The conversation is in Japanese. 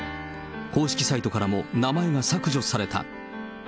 公式サイトからも名前が削除された。